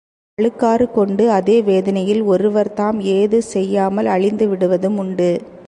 அழுக்காறு கொண்டு அதே வேதனையில் ஒருவர் தாம் ஏதும் செய்யாமல் அழிந்துவிடுவதும் உண்டு.